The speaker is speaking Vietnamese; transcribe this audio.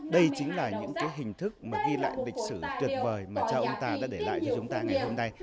đây chính là những hình thức ghi lại lịch sử tuyệt vời mà châu ông ta đã để lại cho chúng ta ngày hôm nay